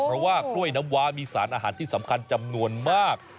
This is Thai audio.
เพราะว่ากล้วยน้ำว้ามีสารอาหารที่สำคัญจำนวนมาก